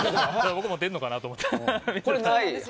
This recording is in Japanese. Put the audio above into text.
僕も出るのかなと思ったら。